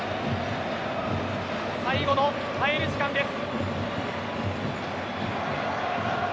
最後の耐える時間です。